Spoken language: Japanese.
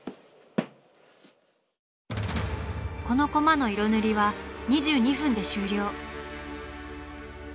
このコマの色塗りは２２分で終了。